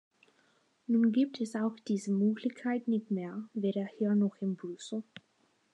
Nun gibt es auch diese Möglichkeit nicht mehr, weder hier noch in Brüssel.